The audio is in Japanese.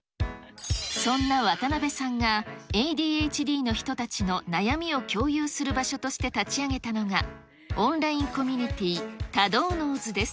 そんな渡辺さんがＡＤＨＤの人たちの悩みを共有する場所として立ち上げたのが、オンラインコミュニティ、たどうのうズです。